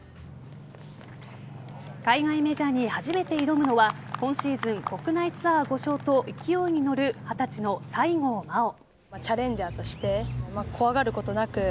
海外メジャーに初めて挑むのは今シーズン国内ツアー５勝と勢いに乗る二十歳の西郷真央。